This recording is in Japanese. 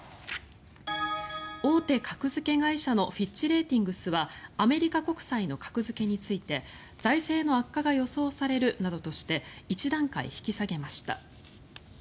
大手格付け会社のフィッチ・レーティングスはアメリカ国債の格付けについて財政の悪化が予想されるなどとして１段階引き下げました。